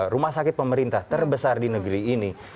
rumah sakit pemerintah terbesar di negeri ini